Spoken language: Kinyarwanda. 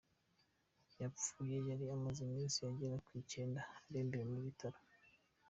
Yapfuye yari amaze iminsi igera ku icyenda arembeye mu bitaro.